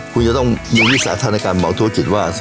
คุณจะต้องยืนวิสัยในการบอกธุรกิจว่า